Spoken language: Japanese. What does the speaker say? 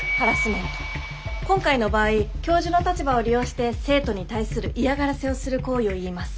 今回の場合教授の立場を利用して生徒に対する嫌がらせをする行為をいいます。